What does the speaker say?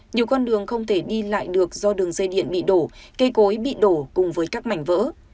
nhiều con đường không thể đi lại được do đường dây điện bị đổ cây cối bị đổ cùng với các mảnh vỡ